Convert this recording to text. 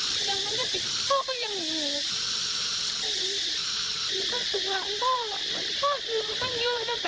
พ่อไปทำสวยพ่อเขาก็คือไปใส่ฟูย์ไปใส่ไร่